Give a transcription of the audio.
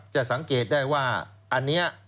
จะสังเกตได้ว่าอันนี้